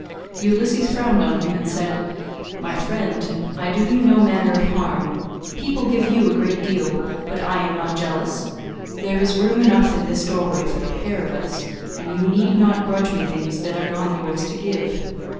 Ulysses frowned on him and said, "My friend, I do you no manner of harm; people give you a great deal, but I am not jealous. There is room enough in this doorway for the pair of us, and you need not grudge me things that are not yours to give.